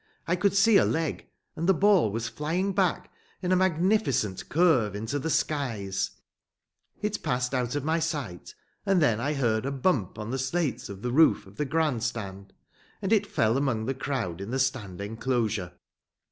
I could see a leg. And the ball was flying back in a magnificent curve into the skies; it passed out of my sight, and then I heard a bump on the slates of the roof of the grand stand, and it fell among the crowd in the stand enclosure.